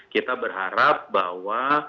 kita berharap bahwa